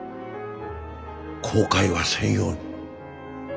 後悔はせんように。